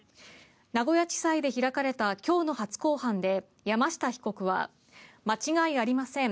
名古屋地裁で開かれた今日の初公判で、山下被告は間違いありません